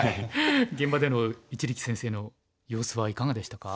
現場での一力先生の様子はいかがでしたか？